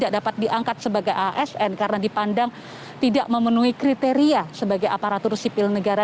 dapat diangkat sebagai asn karena dipandang tidak memenuhi kriteria sebagai aparatur sipil negara